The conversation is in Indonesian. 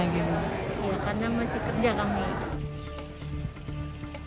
karena masih kerja kami